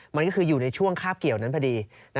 มันก็คืออยู่ในช่วงคาบเกี่ยวนั้นพอดี